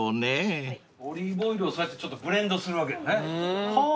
オリーブオイルをそうやってブレンドするわけだね。